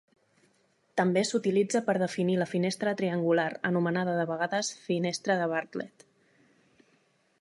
També s'utilitza per definir la finestra triangular, anomenada de vegades "finestra de Bartlett".